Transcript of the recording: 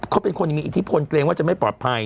เขาเป็นคนมีอิทธิพลเกรงว่าจะไม่ปลอดภัย